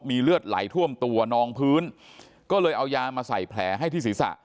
เลือดไหลท่วมตัวนองพื้นก็เลยเอายามาใส่แผลให้ที่ศีรษะ